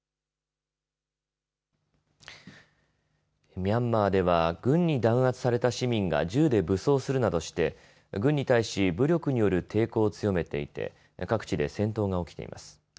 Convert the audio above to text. ミャンマーでは軍に弾圧された市民が銃で武装するなどして軍に対し武力による抵抗を強めていて各地で戦闘が起きています。